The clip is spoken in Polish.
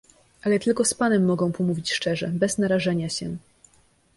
"Ale tylko z panem mogę pomówić szczerze, bez narażenia się."